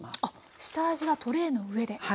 あっ下味はトレイの上で。